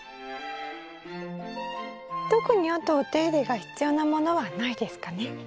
特にあとお手入れが必要なものはないですかね？